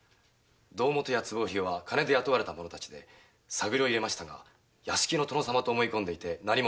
胴元・壷振りは金で雇われた者達で探りを入れましたが屋敷の殿様と思い込んでいて何も知りません。